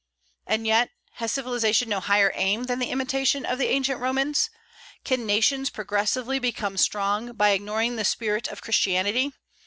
And yet, has civilization no higher aim than the imitation of the ancient Romans? Can nations progressively become strong by ignoring the spirit of Christianity?